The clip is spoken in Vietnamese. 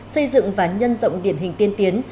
xây dựng và nhân rộng điển hình tiên tiến